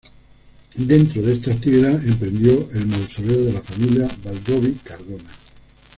Dentro de esta actividad emprendió el mausoleo de la familia Baldoví-Cardona.